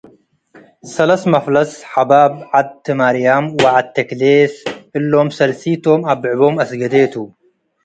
ሰለስ መፍለስ፤ ሐባብ፡ ዐድ ትማርያም ወዐድ ተክሌስ፣፡ እሎም ሰልሲቶም አብዕቦም አስገዴ ቱ ።